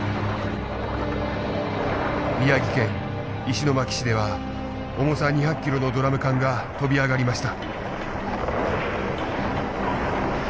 宮城県石巻市では重さ２００ｋｇのドラム缶が飛び上がりました。